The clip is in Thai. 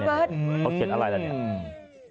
อ้าวเขาเขียนอะไรแล้วเนี่ย